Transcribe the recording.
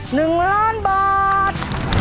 หนึ่งล้านบาท